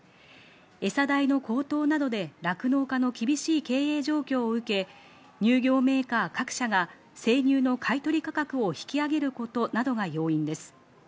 えさ代の高騰などで酪農家の厳しい経営状況を受け、乳業メーカー各社が生乳の買い取り価格を引き上げることなどが要因です。